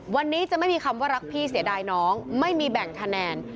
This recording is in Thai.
วันนี้จะไม่มีคำว่ารักพี่เสียดายน้องไม่มีแบ่งคะแนน